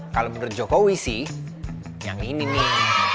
kalau menurut jokowi sih yang ini nih